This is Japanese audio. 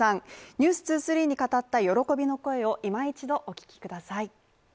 「ｎｅｗｓ２３」に語った喜びの声を、いま一度お聞きください。